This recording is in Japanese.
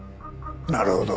なるほど。